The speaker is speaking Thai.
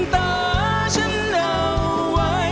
ตาฉันเอาไว้